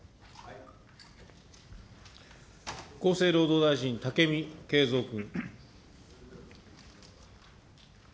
厚生労働大臣、武見敬三君。